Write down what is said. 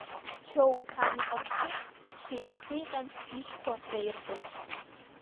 Чоу, — иҳәан, иҟамчы иҽы илахиҟьан ишьхәа наирбеит.